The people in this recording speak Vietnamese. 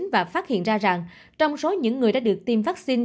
và phát hiện ra rằng trong số những người đã được tiêm vaccine